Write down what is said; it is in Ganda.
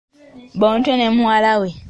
Bontwe ne muwala we.